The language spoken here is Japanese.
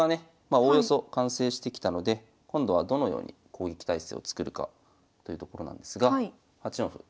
おおよそ完成してきたので今度はどのように攻撃態勢をつくるかというところなんですが８四歩。